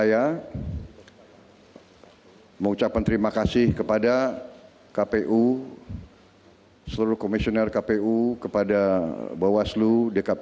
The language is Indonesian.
saya mengucapkan terima kasih kepada kpu seluruh komisioner kpu kepada bawaslu dkp